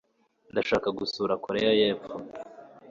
ndashaka gusura koreya y'epfo